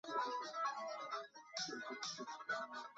康拉德一世。